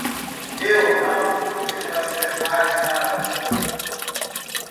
Eu não pude fazer mais nada.